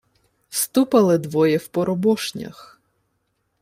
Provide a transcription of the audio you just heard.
— Ступали двоє в поробошнях.